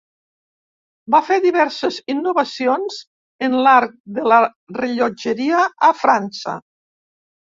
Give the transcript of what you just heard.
Va fer diverses innovacions en l'art de la rellotgeria a França.